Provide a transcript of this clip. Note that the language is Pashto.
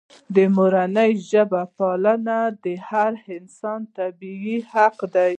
د مورنۍ ژبې پالنه د هر انسان طبیعي حق دی.